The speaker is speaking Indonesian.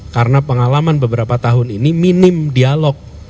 karena pengalaman beberapa tahun ini minim dialog